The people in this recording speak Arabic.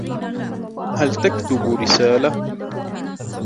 هل تكتب رسالةً ؟